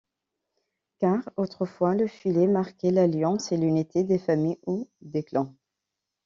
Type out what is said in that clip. Car, autrefois, le filet marquait l'alliance et l'unité des familles ou des clans.